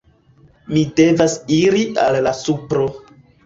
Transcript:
Mi devas iri al la supro